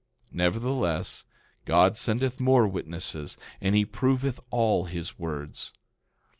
Nevertheless, God sendeth more witnesses, and he proveth all his words.